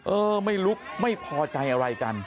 เออไม่ลุกไม่พอใจอะไรกัน